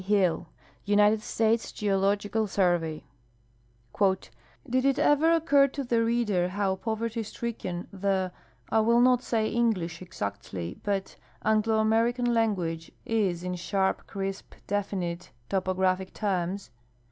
Hill, United States Geological Survey " Did it ever occur to the reader how poverty stricken the (I will not say English exactly, but) Anglo American language is in sharp, crisp, definite topograpliic terms